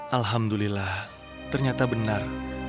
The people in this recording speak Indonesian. alhamdulillah ternyata benar